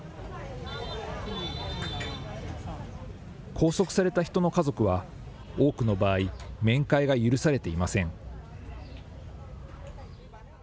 拘束された人の家族は、多くの場合、面会が許されていません。